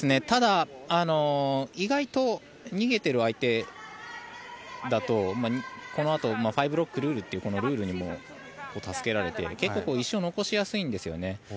ただ意外と逃げている相手だとこのあとファイブロックルールというルールにも助けられて石を残しやすいんですよね。